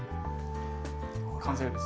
完成です。